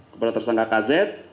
kepada tersangka kz